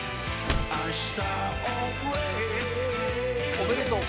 おめでとう。